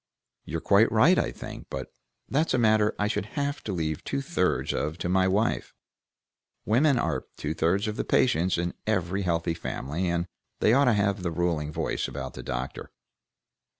"You're quite right, I think, but that's a matter I should have to leave two thirds of to my wife: women are two thirds of the patients in every healthy family, and they ought to have the ruling voice about the doctor."